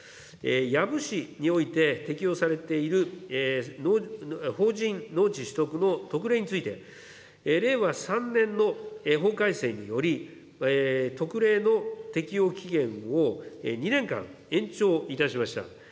養父市において適用されている法人農地取得の特例について、令和３年の法改正により、特例の適用期限を２年間延長いたしました。